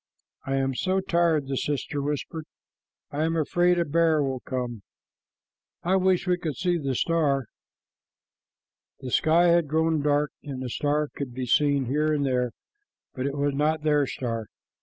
"I am so tired," the sister whispered. "I am afraid a bear will come. I wish we could see the star." The sky had grown dark, and a star could be seen here and there, but it was not their star.